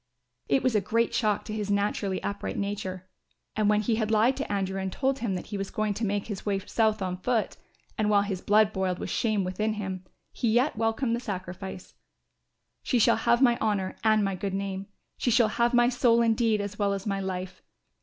It was a great shock to his naturally upright nature and when he had lied to Andrew and told him that he was going to make his way south on foot, and while his blood boiled with shame within him, he yet welcomed the sacrifice. "She shall have my honour and my good name, she shall have my soul indeed as well as my life.